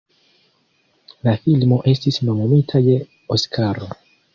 La filmo estis nomumita je Oskaro.